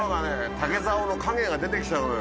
竹竿の影が出てきちゃうのよ。